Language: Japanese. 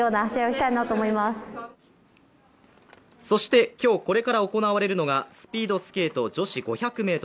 そして今日これから行われるのがスピードスケート女子５００ｍ。